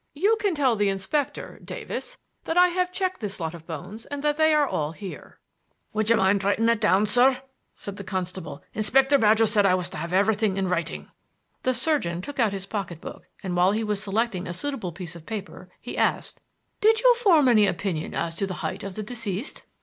You can tell the inspector, Davis, that I have checked this lot of bones and that they are all here." "Would you mind writing it down, sir?" said the constable. "Inspector Badger said I was to have everything in writing." The surgeon took out his pocket book, and, while he was selecting a suitable piece of paper, he asked: "Did you form any opinion as to the height of the deceased?"